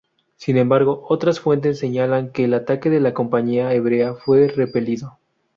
Sin embargo, otras fuentes señalan que el ataque de la compañía hebrea fue repelido.